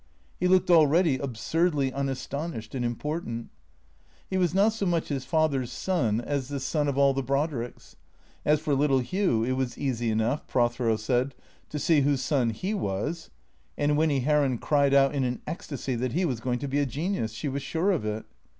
He looked already absurdly unastonished and important. He was not so much his father's son as the son of all the Brod ricks. As for little Hugh, it was easy enough, Prothero said, to see whose son he was. And Winny Heron cried out in an ecstasy that he was going to be a genius, she was sure of it.